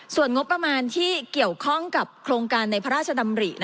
ส่วนงบประมาณที่เกี่ยวข้องกับโครงการในพระราชดำริ